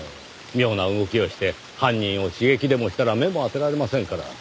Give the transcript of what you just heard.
妙な動きをして犯人を刺激でもしたら目も当てられませんから。